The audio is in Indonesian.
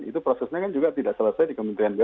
itu prosesnya kan juga tidak selesai di kementerian bumn